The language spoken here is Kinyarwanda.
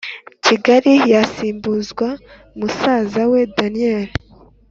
Kigali yasimbuzwa musaza we daniel